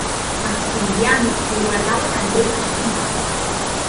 Maximiliano lo guardaue damb uelhs estonats.